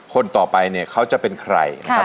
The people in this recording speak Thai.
คนต่อไปเนี่ยเขาจะเป็นใครนะครับ